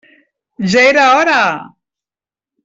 Ja era hora!